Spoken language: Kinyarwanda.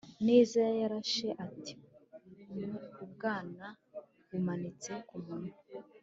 neza yarashe ati ubwanwa, bumanitse kumunwa